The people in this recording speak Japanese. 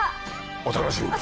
お楽しみに。